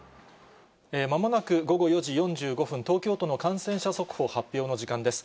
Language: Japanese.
まもなく午後４時４５分、東京都の感染者速報発表の時間です。